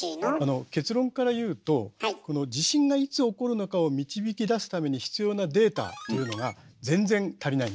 結論から言うとこの地震がいつ起こるのかを導き出すために必要なデータというのが全然足りないんです。